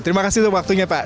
terima kasih untuk waktunya pak